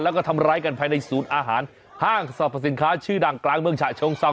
แล้วก็ทำร้ายกันภายในศูนย์อาหารห้างสรรพสินค้าชื่อดังกลางเมืองฉะเชิงเซา